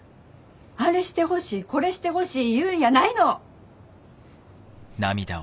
あれしてほしいこれしてほしい言うんやないの！